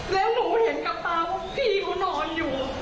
และหนูเห็นกับตาว่าพี่หนูนอนอยู่